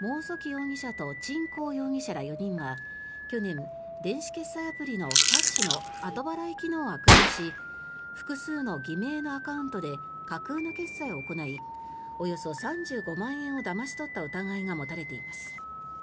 容疑者とチン・コウ容疑者ら４人は去年、電子決済アプリのｋｙａｓｈの後払い機能を悪用し複数の偽名のアカウントで架空の決済を行いおよそ３５万円をだまし取った疑いが持たれています。